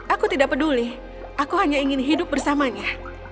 aku tidak peduli aku hanya ingin hidup bersamanya